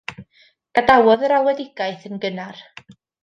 Gadawodd yr alwedigaeth yn gynnar.